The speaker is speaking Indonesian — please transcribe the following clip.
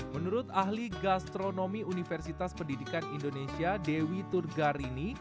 menurut ahli gastronomi universitas pendidikan indonesia dewi turgarini